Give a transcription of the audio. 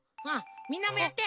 みんなもやって！